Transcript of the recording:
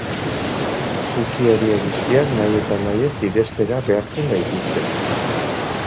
Cookie horiek guztiak nahi eta nahi ez irenstera behartzen gaituzte.